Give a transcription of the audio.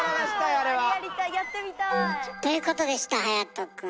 あれやりたいやってみたい。ということでした隼くん。